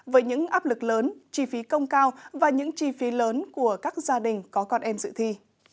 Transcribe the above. với những áp lực lớn chi phí công cao và những chi phí lớn của các gia đình có con em dự thi